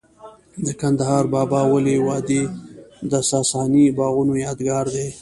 د کندهار د بابا ولی وادي د ساساني باغونو یادګار دی